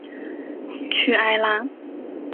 屈埃拉。